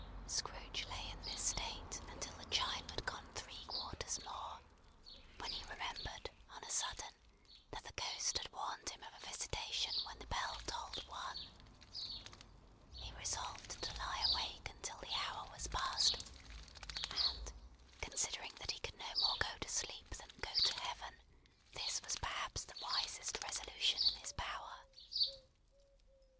Scrooge lay in this state until the chime had gone three quarters more, when he remembered, on a sudden, that the Ghost had warned him of a visitation when the bell tolled one. He resolved to lie awake until the hour was passed; and, considering that he could no more go to sleep than go to Heaven, this was perhaps the wisest resolution in his power.